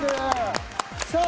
さあ